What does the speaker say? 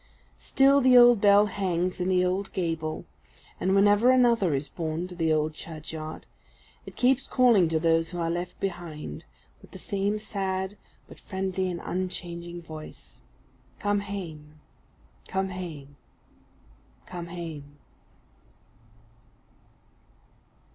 Still the old bell hangs in the old gable; and whenever another is borne to the old churchyard, it keeps calling to those who are left behind, with the same sad, but friendly and unchanging voice _"Come hame! come hame! come hame!"